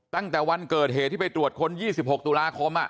ตั้งแต่วันเกิดเหตุที่ไปตรวจคน๒๖ตุลาคม